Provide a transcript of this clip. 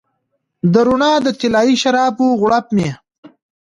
د روڼا د طلایې شرابو غوړپ مې